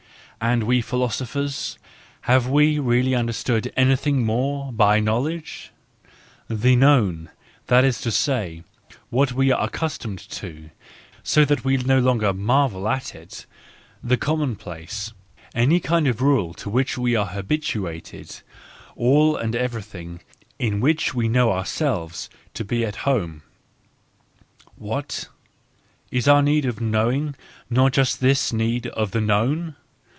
And we philosophers — have we The k UnderS u°° d anythin S more by knowledge? to so Z n> ^ 8 t0 Say ' What We are accustomed to, so that we no longer marvel at it, the common place any kind of rule to which we are habituated all and everything in which we know ourselves to be th h ,~' vhat? ls °ur need of knowing not just this need of the known?